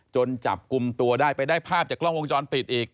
จับกลุ่มตัวได้ไปได้ภาพจากกล้องวงจรปิดอีก